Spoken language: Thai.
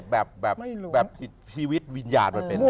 แบบฮีวิตวิญญาตร